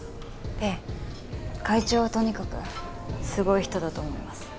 会長はとにかくすごい人だと思います。